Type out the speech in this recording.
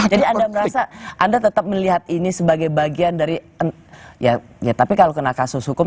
jadi anda merasa anda tetap melihat ini sebagai bagian dari ya tapi kalau kena kasus hukum